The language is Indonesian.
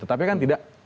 tetapi kan tidak